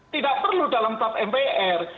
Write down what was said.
tidak perlu dalam tap mpr